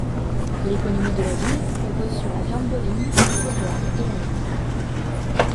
L'économie de la ville repose sur la viande bovine, les céréales et la laine.